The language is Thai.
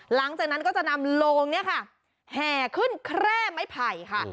หลังจากนั้นก็จะนำโลงเนี่ยค่ะแห่ขึ้นแคร่ไม้ไผ่ค่ะ